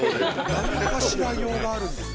何かしら用があるんですね。